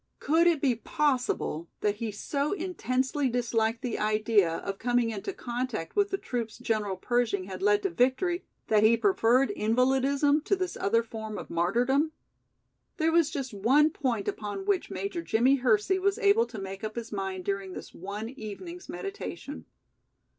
Could it be possible that he so intensely disliked the idea of coming into contact with the troops General Pershing had led to victory, that he preferred invalidism to this other form of martyrdom? There was just one point upon which Major Jimmie Hersey was able to make up his mind during this one evening's meditation.